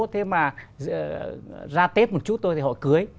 thế mà ra tết một chút thôi thì họ cưới